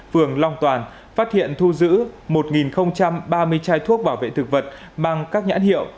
phường long toàn phát hiện thu giữ một ba mươi chai thuốc bảo vệ thực vật mang các nhãn hiệu